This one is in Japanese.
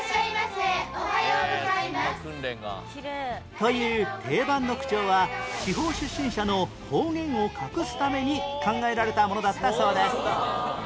という定番の口調は地方出身者の方言を隠すために考えられたものだったそうです